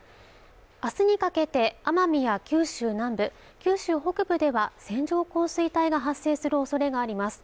あすにかけて奄美や九州南部、九州北部では線状降水帯が発生するおそれがあります